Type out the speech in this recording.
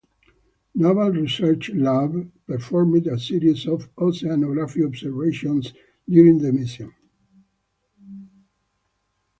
Naval Research Lab, performed a series of oceanography observations during the mission.